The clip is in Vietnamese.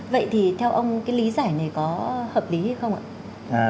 vậy thì theo ông cái lý giải này có hợp lý hay không ạ